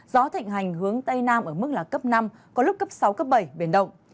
gió thịnh hành hướng tây nam ở mức là cấp năm có lúc cấp sáu cấp bảy biển động